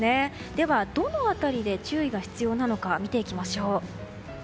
では、どの辺りで注意が必要なのか見ていきましょう。